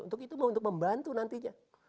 untuk itu untuk membantu nantinya